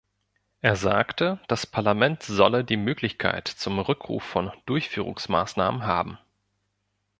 Er sagte, das Parlament solle die Möglichkeit zum Rückruf von Durchführungsmaßnahmen haben.